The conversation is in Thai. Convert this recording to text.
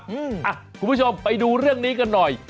คุณผู้ชมไปดูเรื่องนี้กันหน่อย